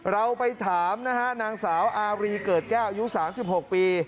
เราไปถามนะฮะนางสาวอารีเกิดแก้วยุคสามสิบหกปี